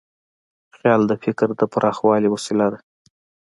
خیال د فکر د پراخوالي وسیله ده.